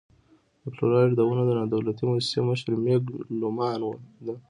د فلوريډا د ونو د نادولتي مؤسسې مشره مېګ لومان ده.